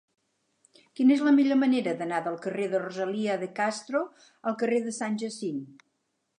Quina és la millor manera d'anar del carrer de Rosalía de Castro al carrer de Sant Jacint?